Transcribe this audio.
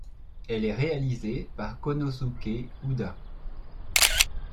Elle est réalisée par Konosuke Uda.